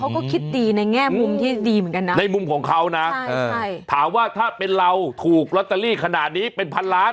เขาก็คิดดีในแง่มุมที่ดีเหมือนกันนะในมุมของเขานะถามว่าถ้าเป็นเราถูกลอตเตอรี่ขนาดนี้เป็นพันล้าน